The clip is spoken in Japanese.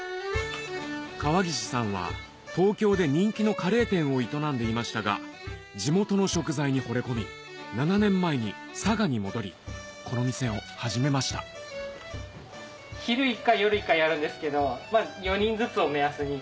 川岸さんは東京で人気のカレー店を営んでいましたが地元の食材にほれ込み７年前に佐賀に戻りこの店を始めましたすごい。